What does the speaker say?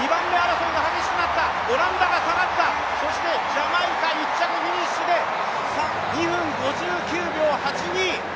ジャマイカ１着フィニッシュで２分５９秒８２。